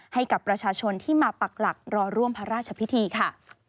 ให้กับประชาชนที่มาปักหลักรอร่วมพระราชพิธีค่ะ